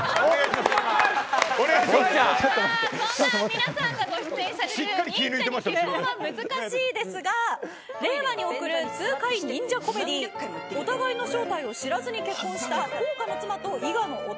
皆さんがご出演される忍者に結婚は難しい、ですが令和に送る痛快忍者コメディーお互いの正体を知らずに結婚した甲賀の妻と伊賀の夫。